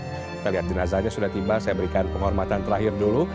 kita lihat jenazahnya sudah tiba saya berikan penghormatan terakhir dulu